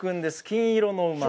金色の馬。